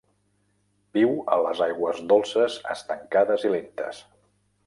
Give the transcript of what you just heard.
Viu a les aigües dolces, estancades i lentes.